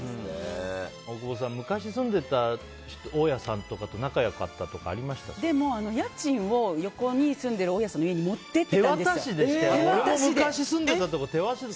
大久保さん、昔住んでいた大家さんとかとでも、家賃を横に住んでいる大家さんの家に持って行っていたんですよ手渡しで。